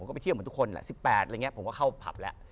ก็ไปเที่ยวเหมือนทุกคนแหละ๑๘อะไรอย่างนี้ผมก็เข้าผับแล้ว